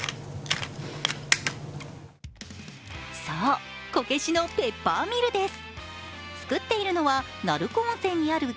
そう、こけしのペッパーミルです。